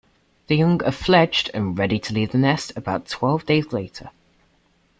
The young are fledged and ready to leave the nest about twelve days later.